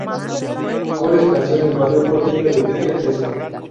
Cores nació en el barrio porteño de Villa Crespo.